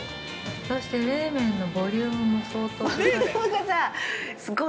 ◆そして冷麺のボリュームも相当でかい。